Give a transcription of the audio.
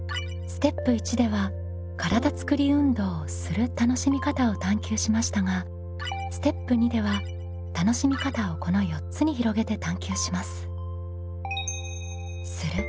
ステップ１では体つくり運動をする楽しみ方を探究しましたがステップ２では楽しみ方をこの４つに広げて探究します。